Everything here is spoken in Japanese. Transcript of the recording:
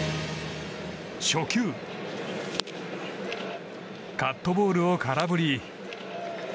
初球、カットボールを空振り。